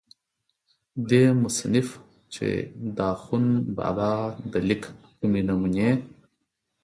دې مصنف چې دَاخون بابا دَليک کومې نمونې